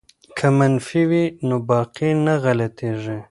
که منفي وي نو باقی نه غلطیږي.